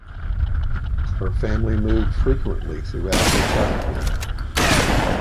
Her family moved frequently throughout her childhood.